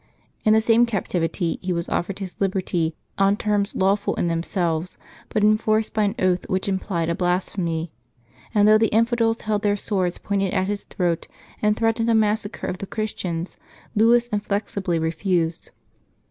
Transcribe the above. In the same captivity he was offered his liberty on terms lawful in themselves, but enforced by an oath which implied a blasphemy, and though the infidels held their swords' points at his throat, and threatened a massacre of the Christians, Louis inflexibly refused.